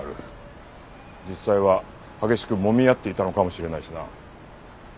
実際は激しくもみ合っていたのかもしれないしな。